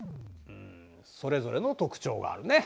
それぞれの特徴があるね。